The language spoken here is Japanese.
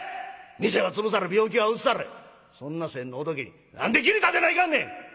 店は潰され病気はうつされそんな先の仏に何で義理立てないかんねん！」。